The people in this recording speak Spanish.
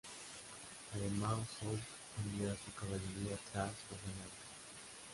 Además Soult envió a su caballería tras los Aliados.